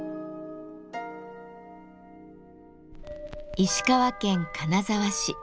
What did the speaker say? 石川県金沢市。